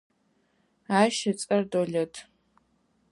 Ащ ыцӏэр Долэт.